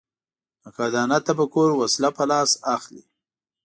نقادانه تفکر وسله په لاس اخلي